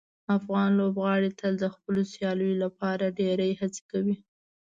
افغان لوبغاړي تل د خپلو سیالیو لپاره ډیرې هڅې کوي.